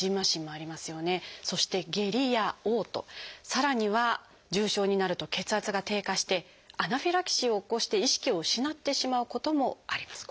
さらには重症になると血圧が低下してアナフィラキシーを起こして意識を失ってしまうこともあります。